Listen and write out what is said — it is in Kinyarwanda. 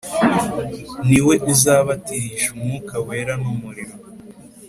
: Niwe uzababatirisha Umwuka Wera n’umuriro.